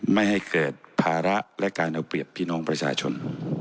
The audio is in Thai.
ไม่ให้เกิดภาระและการเอาเปรียบพี่น้องประชาชน